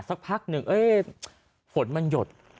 สักพักหนึ่งฝนมันหยด